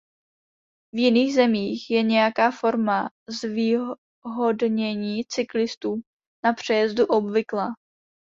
V jiných zemích je nějaká forma zvýhodnění cyklistů na přejezdu obvyklá.